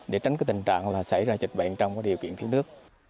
để tránh cái tình trạng là xảy ra dịch bệnh trong cái điều kiện thiếu nước